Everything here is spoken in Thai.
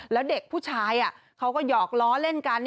แล้วเด็กผู้ชายเขาก็หยอกล้อเล่นกัน